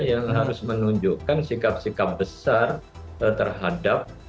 yang harus menunjukkan sikap sikap besar terhadap